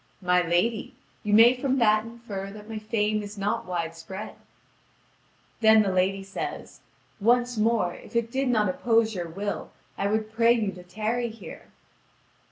"My lady, you may from that infer that my fame is not widespread." Then the lady says: "Once more, if it did not oppose your will, I would pray you to tarry here."